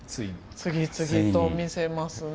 次々と見せますね。